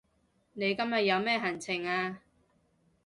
你今日有咩行程啊